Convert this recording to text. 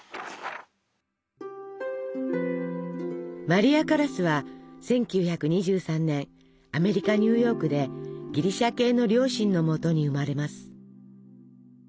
マリア・カラスは１９２３年アメリカニューヨークでギリシャ系両親のもとに生まれます。